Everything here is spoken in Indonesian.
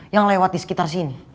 yang lewat di sekitar sini